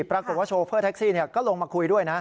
ปรากฏว่าโชเฟอร์แท็กซี่ก็ลงมาคุยด้วยนะ